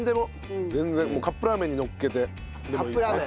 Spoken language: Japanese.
カップラーメンにのっけてでもいい。